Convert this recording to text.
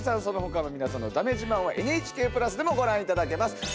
そのほかの皆さんのだめ自慢は「ＮＨＫプラス」でもご覧いただけます。